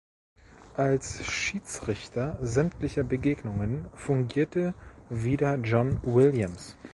Als Schiedsrichter sämtlicher Begegnungen fungierte wieder John Williams.